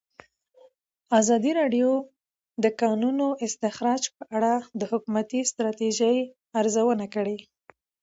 ازادي راډیو د د کانونو استخراج په اړه د حکومتي ستراتیژۍ ارزونه کړې.